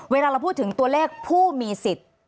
เวลาเราพูดถึงตัวเลขผู้มีสิทธิ์